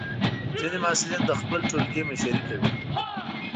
ځینې محصلین د خپل ټولګي مشري کوي.